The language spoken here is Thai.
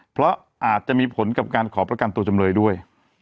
เพราะอาจจะมีผลกับการขอประกันตัวจำเลยด้วย